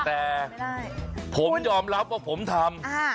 แต่ผมยอมรับว่าผมทำ